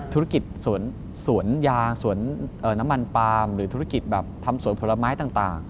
ธุรกิจสวนยางสวนน้ำมันปาล์มหรือธุรกิจแบบทำสวนผลไม้ต่าง